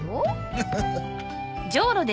ハハハ。